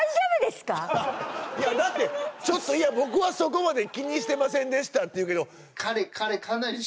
いやだって「いや僕はそこまで気にしてませんでした」って言うけど。